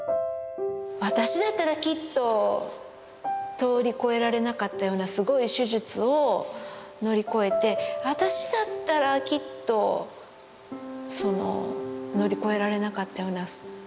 私だったらきっと通りこえられなかったようなすごい手術を乗り越えて私だったらきっとその乗り越えられなかったような。